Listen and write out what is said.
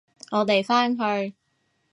我哋返去！